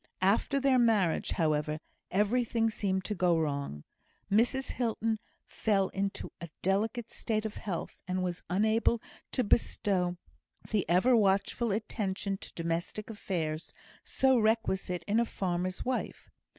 After their marriage, however, everything seemed to go wrong. Mrs Hilton fell into a delicate state of health, and was unable to bestow the ever watchful attention to domestic affairs so requisite in a farmer's wife.